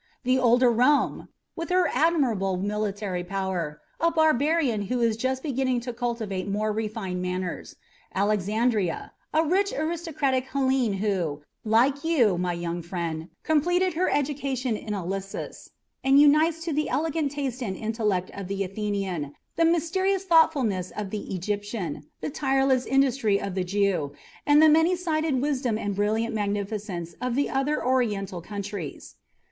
The older Rome, with her admirable military power: a barbarian who is just beginning to cultivate more refined manners Alexandria: a rich, aristocratic Hellene who, like you, my young friend, completed her education in Ilissus, and unites to the elegant taste and intellect of the Athenian the mysterious thoughtfulness of the Egyptian, the tireless industry of the Jew, and the many sided wisdom and brilliant magnificence of the other Oriental countries."